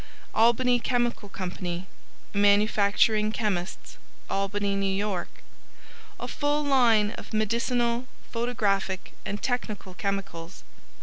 ALBANY CHEMICAL CO. Manufacturing Chemists ALBANY, N. Y . A full line of Medicinal, Photographic and Technical Chemicals.